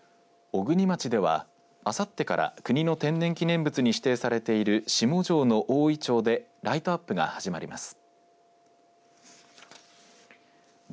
小国町では、あさってから国の天然記念物に指定されている下條の大井町でライトアップが始まります。